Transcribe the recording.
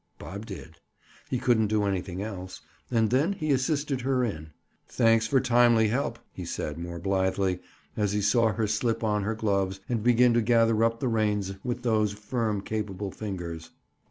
Bob did. He couldn't do anything else. And then he assisted her in. "Thanks for timely help!" he said more blithely, as he saw her slip on her gloves and begin to gather up the reins with those firm capable fingers.